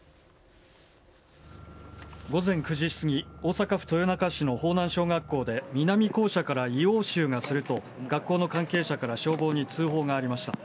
午前９時過ぎ、大阪府豊中市の豊南小学校で、南校舎から硫黄臭がすると学校の関係者から消防に通報がありました。